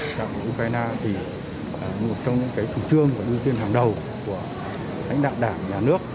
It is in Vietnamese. trạng của ukraine thì một trong những chủ trương và ưu tiên hàng đầu của lãnh đạo đảng nhà nước